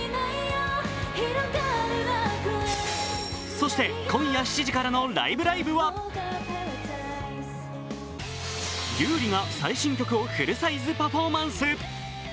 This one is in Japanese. そして、今夜７時からの「ライブ！ライブ！」は優里が最新曲をフルサイズパフォーマンス。